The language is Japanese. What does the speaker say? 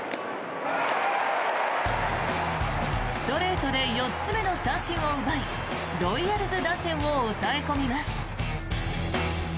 ストレートで４つ目の三振を奪いロイヤルズ打線を抑え込みます。